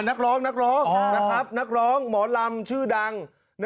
นักร้องนักร้องหมอลำชื่อดัง